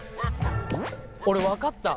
俺分かった！